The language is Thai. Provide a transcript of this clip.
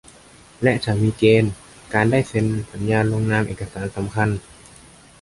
และจะมีเกณฑ์การได้เซ็นสัญญาลงนามเอกสารสำคัญ